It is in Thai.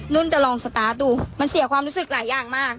นุ่นจะลองสตาร์ทดูมันเสียความรู้สึกหลายอย่างมาก